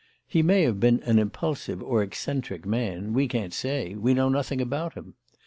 He may have been an impulsive or eccentric man. We can't say. We know nothing about him.